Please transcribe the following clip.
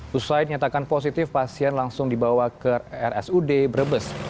setelah dinyatakan positif pasien langsung dibawa ke rsud brebes